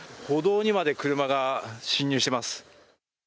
歩道にまで車が進入しています。